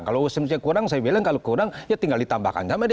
kalau asumsinya kurang saya bilang kalau kurang ya tinggal ditambahkan